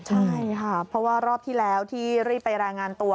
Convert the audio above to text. ใช่ค่ะเพราะว่ารอบที่แล้วที่รีบไปรายงานตัว